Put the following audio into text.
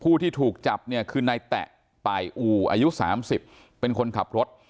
ผู้ที่ถูกจับเนี่ยคือนายแตะป่ายอู่อายุ๓๐เป็นคนขับรถ